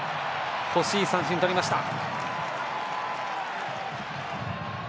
欲しい三振取りました。